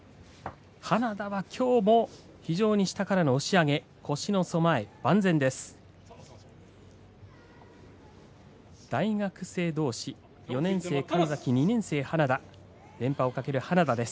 花田はきょうも非常に下からの押し上げ腰の備えが万全です。